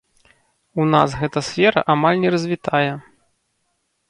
У нас гэта сфера амаль не развітая.